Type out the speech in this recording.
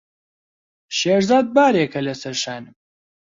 شێرزاد بارێکە لەسەر شانم.